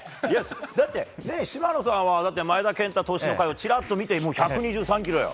だって、島野さんは前田健太投手の回を見て１２３キロよ。